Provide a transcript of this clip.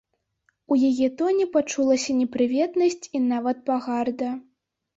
У яе тоне пачулася непрыветнасць і нават пагарда.